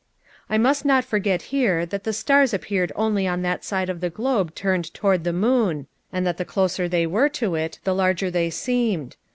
"I must not forget here, that the stars appeared only on that side of the globe turned toward the moon, and that the closer they were to it the larger they seemed.